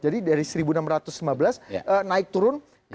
jadi dari seribu enam ratus lima belas naik turun ke lima ribu empat ratus pak